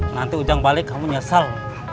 nanti ujang balik kamu nyesal